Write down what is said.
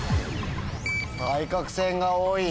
対角線が多い。